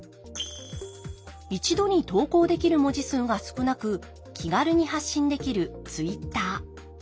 一度に投稿できる文字数が少なく気軽に発信できるＴｗｉｔｔｅｒ。